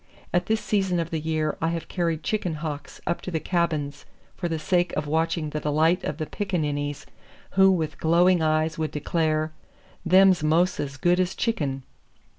At this season of the year I have carried chicken hawks up to the cabins for the sake of watching the delight of the piccaninnies who with glowing eyes would declare, "Them's mos' as good as chicken."